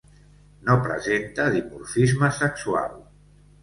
No presenta dimorfisme sexual.